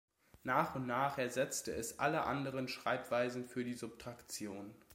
Nach und nach ersetzte es alle anderen Schreibweisen für die Subtraktion.